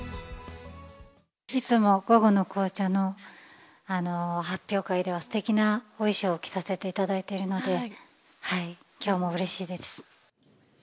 いつも午後の紅茶の発表会では、すてきなお衣装を着させていただいているので、きょうもうれしいです。